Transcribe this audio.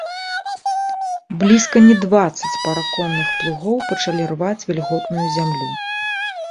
Блізка не дваццаць параконных плугоў пачалі рваць вільготную зямлю.